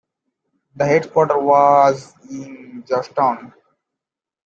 The headquarters was in Georgetown.